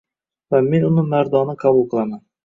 Va men uni mandona qabul qilaman